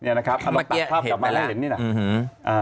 เนี่ยนะครับตัดภาพกลับมาให้เห็นนี่นะ